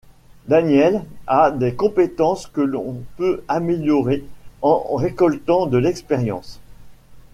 Daniels a des compétences que l'on peut améliorer en récoltant de l'expérience.